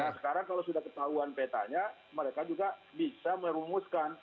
nah sekarang kalau sudah ketahuan petanya mereka juga bisa merumuskan